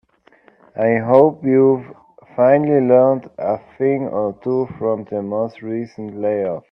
I hope you've finally learned a thing or two from the most recent layoff.